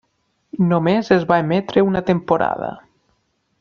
Només es va emetre una temporada.